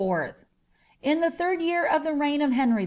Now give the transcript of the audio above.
» In the third year of the reign of Henry VI.